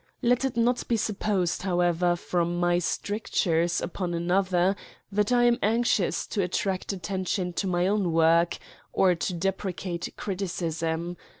Let it not be supposed, how^ ever^ from my strictures upon another, that I am anxious to attract attention to my own work, or to deprecate criticism.